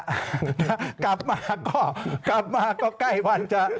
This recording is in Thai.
ถ้ากลับมาก็กลับมาก็ใกล้วันจะ